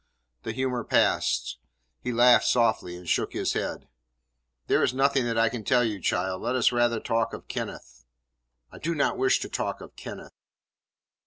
The humour passed. He laughed softly, and shook his head. "There is nothing that I can tell you, child. Let us rather talk of Kenneth." "I do not wish to talk of Kenneth."